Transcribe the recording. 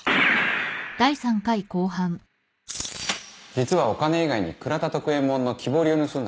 実はお金以外に倉田徳右衛門の木彫りを盗んだんです。